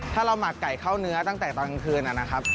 ถ้าเราหมักไก่เข้าเนื้อตั้งแต่ตอนกลางคืนนะครับ